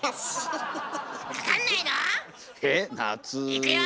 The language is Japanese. いくよ。